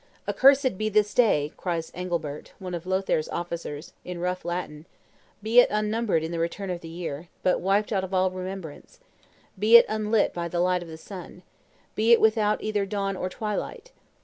... "Accursed be this day!" cries Angilbert, one of Lothaire's officers, in rough Latin verse; "be it unnumbered in the return of the year, but wiped out of all remembrance! Be it unlit by the light of the sun! Be it without either dawn or twilight!